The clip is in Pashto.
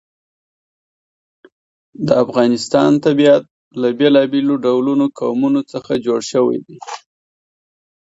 د افغانستان طبیعت له بېلابېلو ډولو قومونه څخه جوړ شوی دی.